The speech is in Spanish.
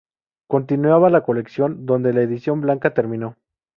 Continuaba la colección donde la edición blanca terminó.